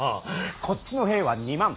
こっちの兵は２万。